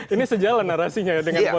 ini sejalan narasinya